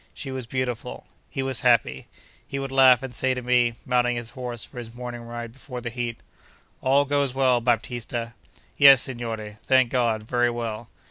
She was beautiful. He was happy. He would laugh and say to me, mounting his horse for his morning ride before the heat: 'All goes well, Baptista!' 'Yes, signore, thank God, very well.